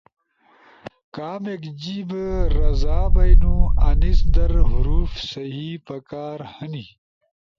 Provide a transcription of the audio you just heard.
کامیک جیب رزا بینو انیس در حروف صحیح پکار ہنی،